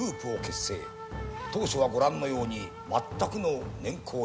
当初はご覧のようにまったくの年功序列。